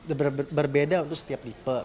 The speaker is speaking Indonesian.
itu berbeda untuk setiap tipe